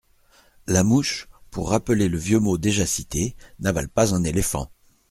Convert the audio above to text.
La mouche, pour rappeler le vieux mot déjà cité, n'avale pas un éléphant.